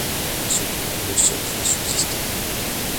Ce poème est le seul qui ait subsisté.